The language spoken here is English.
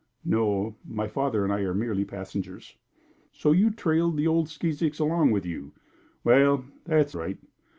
"No. My father and I are merely passengers." "So you trailed the old skeezicks along with you? Well, that's right.